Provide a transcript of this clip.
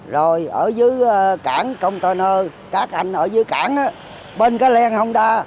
rồi ở dưới cảng container các anh ở dưới cảng bên cái len không đa